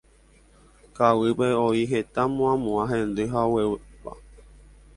Ka'aguýpe oĩ heta muãmuã hendy ha oguéva.